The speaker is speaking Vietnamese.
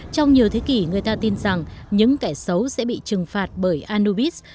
trong nhiều thế kỷ người ta tin rằng những kẻ xấu sẽ bị trừng phạt bởi anobis